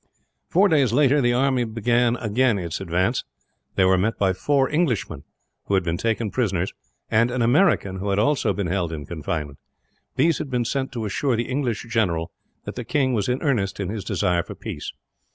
Four days later, the army again began its advance. They were met by four Englishmen, who had been taken prisoners; and an American, who had also been held in confinement. These had been sent to assure the English general that the king was in earnest in his desire for peace.